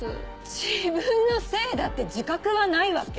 自分のせいだって自覚はないわけ？